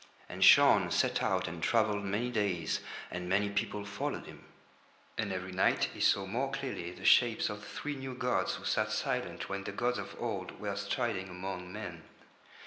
And Shaun set out and travelled many days and many people followed him. And every night he saw more clearly the shapes of the three new gods who sat silent when the gods of Old were striding among men.